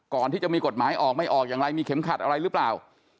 ก่อนที่จะมีกฎหมายออกไม่ออกอย่างไรมีเข็มขัดอะไรหรือเปล่า